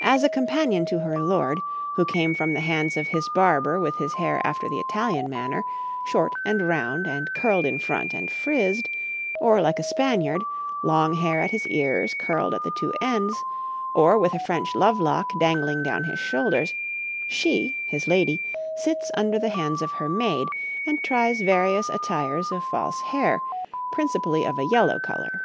As a companion to her lord, who came from the hands of his barber with his hair after the Italian manner, short and round and curled in front and frizzed, or like a Spaniard, long hair at his ears curled at the two ends, or with a French love lock dangling down his shoulders, she his lady sits under the hands of her maid, and tries various attires of false hair, principally of a yellow colour.